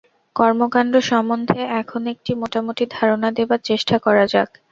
কর্মকাণ্ড সম্বন্ধে এখন একটি মোটামুটি ধারণা দেবার চেষ্টা করা যাক।